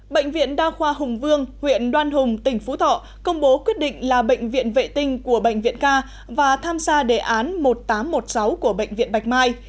bệnh viện đa khoa hùng vương huyện đoan hùng tỉnh phú thọ công bố quyết định là bệnh viện vệ tinh của bệnh viện ca và tham gia đề án một nghìn tám trăm một mươi sáu của bệnh viện bạch mai